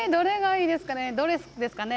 ドレスがいいですかね。